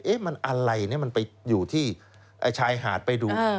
มันอะไรเนี่ยมันไปอยู่ที่ชายหาดไปดู